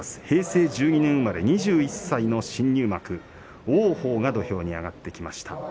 平成１２年生まれ２２歳の新入幕王鵬が土俵に上がってきました。